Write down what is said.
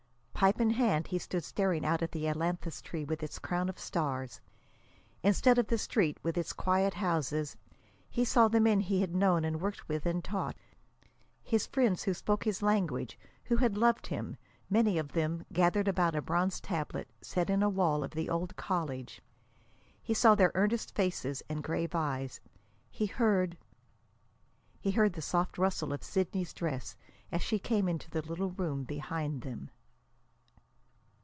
Pipe in hand, he stood staring out at the ailanthus tree with its crown of stars. Instead of the Street with its quiet houses, he saw the men he had known and worked with and taught, his friends who spoke his language, who had loved him, many of them, gathered about a bronze tablet set in a wall of the old college; he saw their earnest faces and grave eyes. He heard He heard the soft rustle of Sidney's dress as she came into the little room behind them.